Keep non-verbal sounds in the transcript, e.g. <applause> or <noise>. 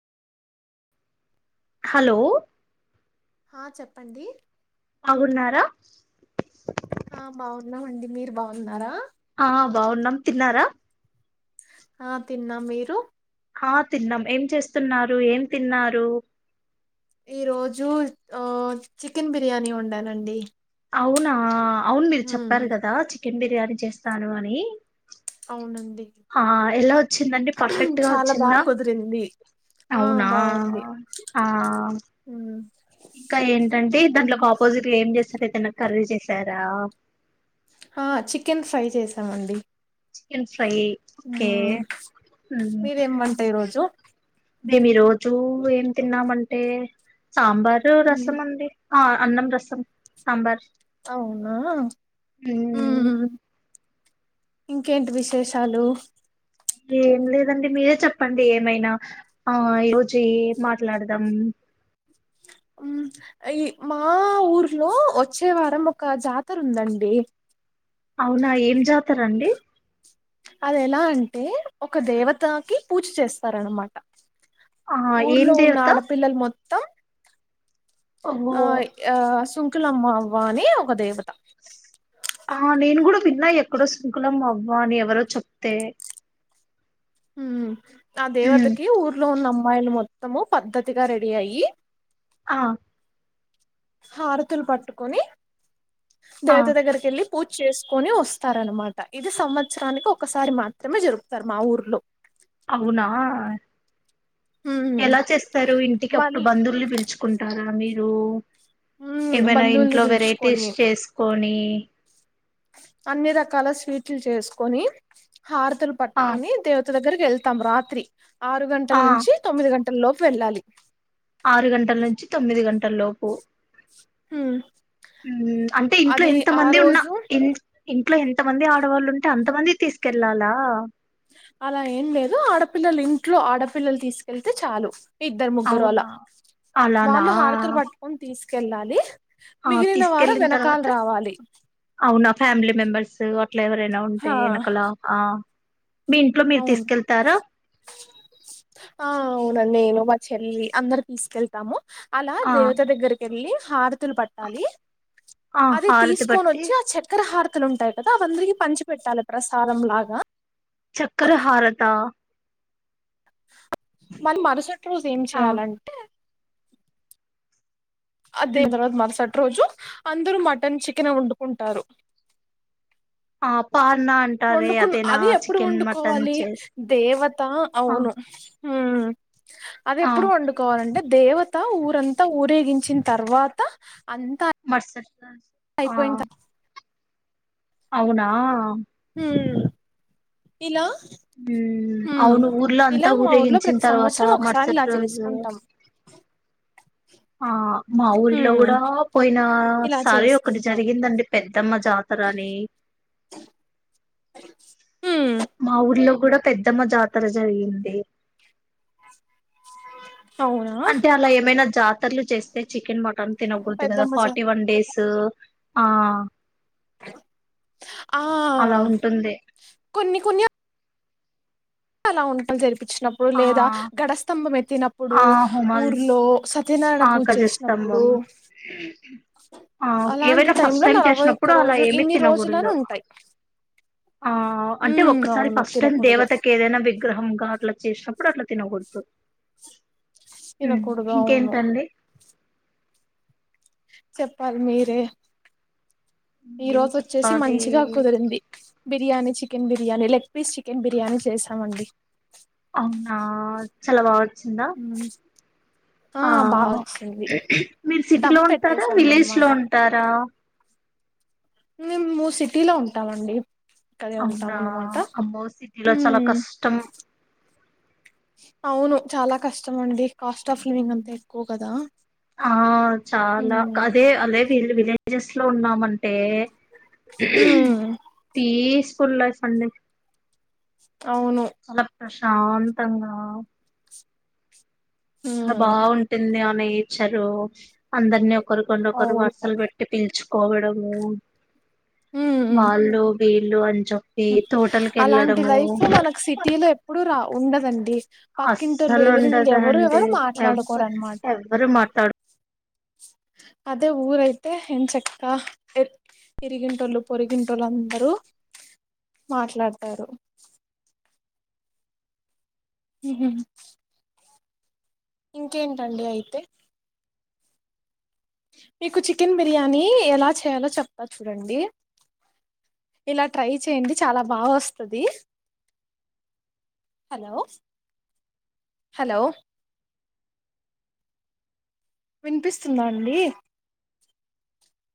Hello హ చెప్పండి బాగున్నారా ఆ బాగున్నామండి మీరు బాగున్నారా ఆ బాగున్నాం తిన్నారా ఆ తిన్నా మీరు ఆ తిన్నాం ఏం చేస్తున్నారు ఏం తిన్నారు ఈ రోజు ఆ చికెన్ బిర్యానీ వండానండి అవునా అవును మీరు ఉమ్ చెప్పారు కదా చికెన్ బిర్యానీ చేస్తాను అని అవునండి ఆ ఎలా వచ్చిందండి పర్ఫెక్ట్గా చాలా బాగా వచ్చిందా కుదిరింది ఆ అవునా బాగుంది ఆ ఉమ్ ఇంకా ఏంటంటే దాంట్లోకి ఆపోజిట్ గ ఏం జేస్తార్ ఏదైన కర్రీ చేసారా ఆ చికెన్ ఫ్రై చేసామండి. చికెన్ ఫ్రై కే ఉమ్ మ్ మీరేం వంట ఈరోజు మేం ఈ రోజు ఏం తిన్నామంటే సాంబార్ ఉమ్ రసమండి ఆ అన్నం, రసం, సాంబార్. అవునా ఉమ్, హ్మ్ ఇంకేంటి విశేషాలు ఏం లేదండి మీరే చెప్పండి ఏమైనా ఆ ఈ రోజు ఏం మాట్లాడ్దాం. ఉమ్ ఈ మా ఊర్లో వచ్చే వారం ఒక జాతరుందండి. అవునా ఏం జాతరండి. అద్ ఎలా అంటే ఒక దేవతాకి పూజ చేస్తారన్నమాట. ఆ ఏం ఊర్లో ఉన్న దేవత ఆడపిల్లల్ మొత్తం ఓహో ఆ యా సుంకులమ్మ అవ్వ అని ఒక దేవ ఆ నేను గుడం విన్నా ఎక్కడో సుంకులమ్మ అవ్వ అని ఎవరో చెప్తే హ్మ్ ఆ ఉమ్ దేవతకి ఊర్లో ఉన్న అమ్మాయిలు మొత్తము పద్ధతిగా రెడీ అయ్యి ఆ హారతులు పట్టుకొని, ఆ దేవత దగ్గర్కెళ్ళి పూజ్చేస్కొని వస్తారన్నమాట ఇది సంవత్సరానికి ఒకసారి మాత్రమే జరుపుతారు మా ఊర్లో అవునా ఉమ్. ఎలా చేస్తారు ఇంటికప్పు మరి బంధువుల్ని పిలుచుకుంటారా మీరు ఉమ్, ఏమైన బంధువుల్ని ఇంట్లో పిలుచుకొని వెరైటీస్ చేస్కోని అన్ని రకాల స్వీట్లు చేస్కొని, హారతులు ఆ పట్టుకొని దేవ త దగ్గరికెళ్తాం రాత్రి. ఆరు ఆ గంటల్ నుంచి తొమ్మిది గంటల్లోపు వెళ్ళాలి. ఆరు గంటల్ నుంచి తొమ్మిది గంటల్లోపు మ్ అంటే ఇంట్లో అది ఎంత ఆ మంది ఉన్నా రోజు ఇన్ ఇంట్లో ఎంత మంది ఆడవాళ్ళంటే అంత మంది తీస్కెళ్లాలా అలా ఏం లేదు. ఆడపిల్లల్ ఇంట్లో ఆడపిల్లలు తీస్కెళ్తే చాలు ఇద్దరు ముగ్గురు అలా అవునా అలానా వాళ్ళు హారతులు పట్టుకొని తీస్కెళ్ళాలి. ఆ తీస్కెళ్ళిన్ తర్వాత అవునా ఫ్యామిలీ మెంబర్స్ అట్లా ఎవరైనా ఉంటే హా ఎనకల ఆ మీ ఇంట్లో మీర్ అవును తీస్కెళ్తారా? అవునా నేను మా చెల్లి అందరు తీస్కెళ్తాము. అలా ఆ దేవత దగ్గర్కెళ్ళి హారతులు పట్టాలి. ఆ అది హారతి బట్టి తీస్కొనొచ్చి ఆ చక్కర హారత్ తులుంటాయి కదా అవందరికీ పంచి పెట్టాలె ప్రసాదం లాగా చక్కర హారతా మరి మరుసటి రోజు ఏం ఆ చేయాలంటే ఆ హ్మ్ దీన్ తర్వాత మర్సట్ ట్రోజు అందరూ మటన్ చికెనే వండుకుంటారు. ఆ పార్నా అంటారే వండుకున్ అదేనా అది ఎప్పుడు చికెన్ మటన్ వండుకోవాలి చేసి దేవత ఆ అవును మ్ ఆ అదెప్పుడు వండుకోవాలంటే దేవత ఊరంతా ఊరేగించిన్ తర్వాత అంతా మరుసటి రోజు ఆ అయిపోయిన్ త అవునా మ్ ఇలా మ్ ఉమ్ అవును ఊర్లో అంతా ఇలా మా ఊర్లో ఊరేగించిన్ ప్రతి తర్వాత సంవత్సరం ఒకసారి మర్సట్ ఇలా రోజు చేసుకుంటాం ఆ మా ఊర్లో ఉమ్ గుడా పోయిన ఇలా సారి ఒకటి చేసుకుంటాం జరిగిందండి పెద్దమ్మ జాతరని <inaudible> ఉమ్ కూడా పెద్దమ్మ జాతర జరిగింది అవునా అంటే అలా ఏమైనా జాతరలు చేస్తే చికెన్ మటన్ తినకూడదు కదా పెద్దమ్మ చ ఫార్టీ వన్ డేస్ ఆ ఆ అలా ఉంటుంది కొన్ని కొన్ని అలా ఉండలు జరిపించినప్పుడు ఆ లేదా ఘడ స్స్తంభం ఎత్తినప్పుడు ఆ హోమాలు ఊర్లో స ఆ గజస్తంభం ఆ అలాంటి ఏవైనా ఫస్ట్ లో టైమ్ నలభై ఒక్క చేసినప్పుడు అలా రోజు ఏమి ఇన్ని రోజులని తినకూడదు ఉంటాయి ఆ అంటే ఉమ్ ఒక్కసారి అవును ఫస్ట్ టైం తినకూడదు దేవతకి ఏదైనా విగ్రహంగా అట్లా చేసిన అప్పుడు అట్లా తిన కూడదు తిన కుడుదు అవును అండి చెప్పాలి మీరే ఈ ఏం రోజు వచ్చేసి చెప్పాలి మంచిగా కుదిరింది biryani chicken biryani leg piece chicken biryani చేసామండి. అవునా చాలా బాగా వచ్చిందా ఆ బాగా వచ్చింది. మీరు సిటీ లో దమ్ ఉంటారా పెట్టేసాము విలేజ్ లో అన్నమాట ఉంటారా మేము సిటీలో ఉంటామండి ఇక్కడే ఉంటాం అవునా అన్నమాట అమ్మో సిటీలో హుం చాలా కష్టం అవును చాలా కష్టం అండి కాస్ట్ ఆఫ్ లివింగ్ అంతా ఎక్కువ కదా ఆ చాలా హ్మ్ అదే అదే విలు వి జెస్ లో ఉన్నామంటే హ్మ్ పీస్ ఫుల్ లైఫ్ అండి అవును శాంతంగా చాలా హ్మ్ బాగుంటుంది అ నేచరు అందరిని ఒకరికొండొకరు అవును వరుసలు పెట్టి పిల్చుకోవడము హ్మ్ వాళ్ళు వీళ్ళు అ అలాంటి లైఫ్ మనకు సిటీ లో ఎప్పుడు రా ఉండదండి పక్కింటోల్లు అస్సలు ఎదురిలు ఎవరు ఉండదండి ఎవరు ఎవ మాట్లాడుకోరునమాట అ అదే ఊరైతే ఎం చక్క ఎ ఇరిగింటోల్లు పొరిగింటోల్లు అందరూ మాట్లాడతారు హ ఇంకేంటండి అయితే మీకు చికెన్ బిర్యానీ ఎలా చేయాలో చెప్తా చూడండి ఇలా ట్రై చేయండి చాలా బాగా వస్తది హలో హలో వినిపిస్తుందండి